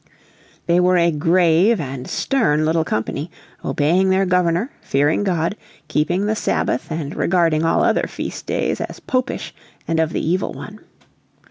They were a grave and stern little company, obeying their Governor, fearing God, keeping the Sabbath and regarding all other feast days as Popish and of the evil one.